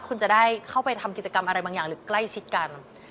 คุณจะได้เข้าไปทำกิจกรรมอะไรบางอย่างหรือใกล้ชิดกัน